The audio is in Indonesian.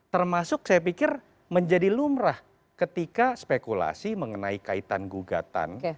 termasuk saya pikir menjadi lumrah ketika spekulasi mengenai kaitan gugatan